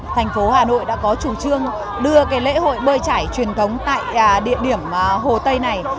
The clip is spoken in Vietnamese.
thành phố hà nội đã có chủ trương đưa lễ hội bơi trải truyền thống tại địa điểm hồ tây này